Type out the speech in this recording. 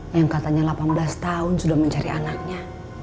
yang katanya delapan belas tahun sudah mencari anaknya